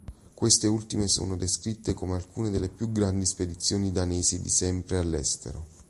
Queste ultime sono descritte come alcune delle più grandi spedizioni danesi di sempre all'estero.